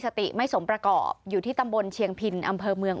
สติไม่สมประกอบอยู่ที่ตำบลเชียงพินอำเภอเมือง